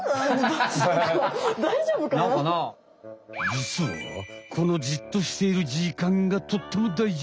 じつはこのじっとしている時間がとってもだいじ。